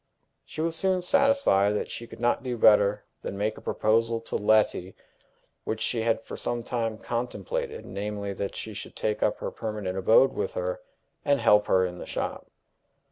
She was soon satisfied that she could not do better than make a proposal to Letty which she had for some time contemplated namely, that she should take up her permanent abode with her, and help her in the shop.